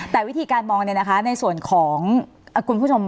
แต่วิธีการมองในส่วนของคุณผู้ชม